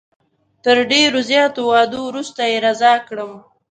تر ډېرو زیاتو وعدو وروسته یې رضا کړم.